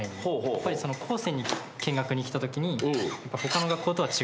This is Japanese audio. やっぱり高専に見学に来たときに。